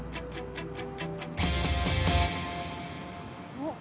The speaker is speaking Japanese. おっ。